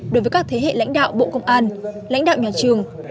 đối với các thế hệ lãnh đạo bộ công an lãnh đạo nhà trường